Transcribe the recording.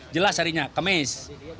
jelas harinya kemis